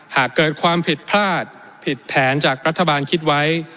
หากเกิดความผิดพลาดผิดแผนจากรัฐบาลคิดไว้